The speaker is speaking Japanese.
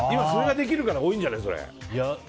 それができるから多いんじゃない。